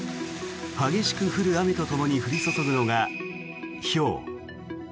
激しく降る雨とともに降り注ぐのがひょう。